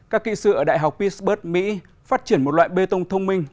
các kỹ sư ở đại học pisburg mỹ phát triển một loại bê tông thông minh